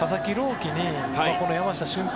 希に山下舜平